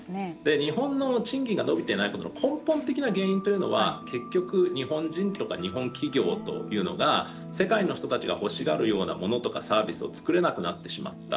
日本の賃金が伸びてない根本的な原因というのは結局、日本人とか日本企業というのが世界の人たちが欲しがるようなものとかサービスをつくれなくなってしまった。